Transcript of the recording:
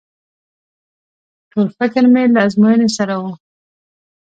ټول فکر مې له ازموينې سره و.